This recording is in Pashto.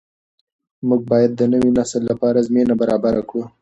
موږ باید د نوي نسل لپاره زمینه برابره کړو.